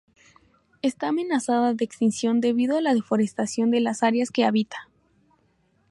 Está amenazada de extinción debido a la deforestación de las áreas que habita.